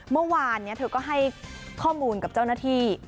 เมื่อวานนี้เธอก็ให้ข้อมูลกับเจ้าหน้าที่